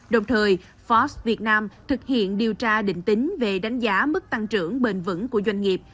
đồng thời forbes việt nam thực hiện điều tra định tính về đánh giá mức tăng trưởng bền vững của doanh nghiệp